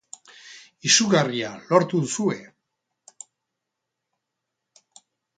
Izugarria, lortu duzue.